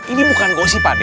ini bukan gosip pak d